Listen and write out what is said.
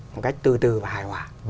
một cách từ từ và hài hỏa